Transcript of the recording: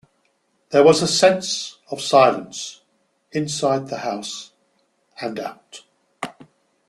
There was a sense of silence inside the house and out.